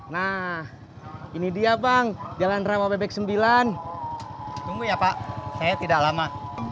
nah ini dia bang jalan rawa bebek sembilan tunggu ya pak saya tidak lama